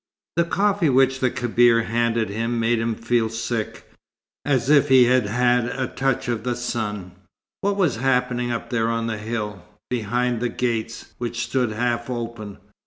The coffee which the Kebir handed him made him feel sick, as if he had had a touch of the sun. What was happening up there on the hill, behind the gates which stood half open?